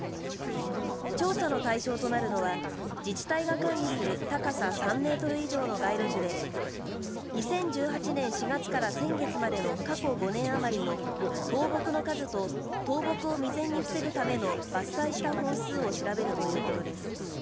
調査の対象となるのは自治体が管理する高さ３メートル以上の街路樹で２０１８年４月から先月までの過去５年余りの倒木の数と倒木を未然に防ぐための伐採した本数を調べるということです。